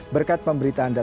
berkat pemberitaan dprk